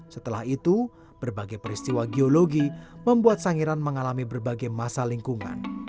setelah itu berbagai peristiwa geologi membuat sangiran mengalami berbagai masa lingkungan